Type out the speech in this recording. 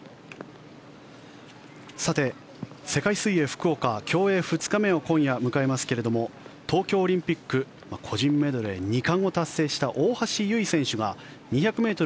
さて、世界水泳福岡競泳２日目を今夜迎えますが東京オリンピック個人メドレー２冠を達成した大橋悠依選手が２００ｍ